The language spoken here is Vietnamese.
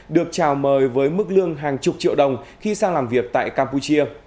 được chào mời với mức lương hàng chục triệu đồng khi sang làm việc tại campuchia